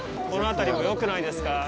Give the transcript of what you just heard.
この辺りもよくないですか？